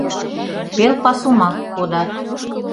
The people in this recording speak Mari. — Пел пасумак кодат.